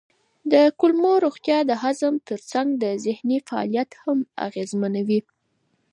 د کولمو روغتیا د هضم ترڅنګ ذهني فعالیت هم اغېزمنوي.